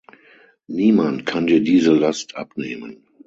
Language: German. Niemand kann dir diese Last abnehmen.